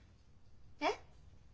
えっ？